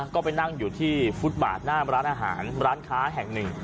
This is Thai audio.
ก็ไปนั่งอยู่ที่ฟุตบาทหน้าร้านอาหารร้านค้าแห่งหนึ่ง